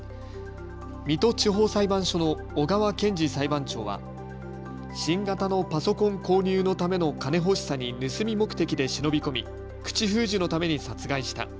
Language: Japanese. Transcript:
水戸地方裁判所の小川賢司裁判長は新型のパソコン購入のための金欲しさに盗み目的で忍び込み口封じのために殺害した。